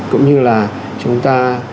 cũng như là chúng ta